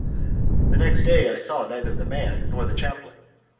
The next day I saw neither the man nor the chaplain.